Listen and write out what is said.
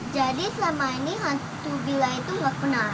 jadi selama ini hantu bila itu gak pernah ada